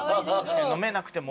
飲めなくても。